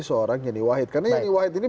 seorang yeni wahid karena yeni wahid ini